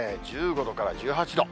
１５度から１８度。